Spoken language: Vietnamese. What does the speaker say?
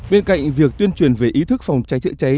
bên cạnh việc tuyên truyền về ý thức phòng cháy chữa cháy